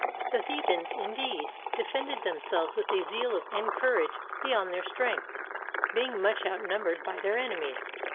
The Thebans, indeed, defended themselves with a zeal and courage beyond their strength, being much outnumbered by their enemies.